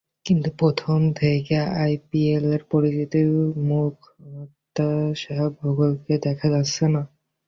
কিন্তু প্রথম থেকে আইপিএলের পরিচিত মুখ হার্শা ভোগলেকে দেখা যাচ্ছে না।